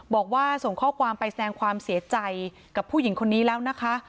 บอกว่าส่งข้อความไปแสดงความเสียใจกับผู้หญิงคนนี้แล้วนะคะ